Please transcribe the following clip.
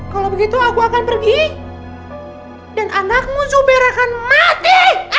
kalau begitu aku akan pergi dan anakmu zuber akan mati